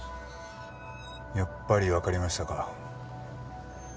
やっぱりわかりましたか。